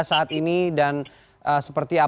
kompasisi yang berpengungkan di gaza